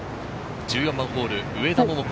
１４番ホール、上田桃子。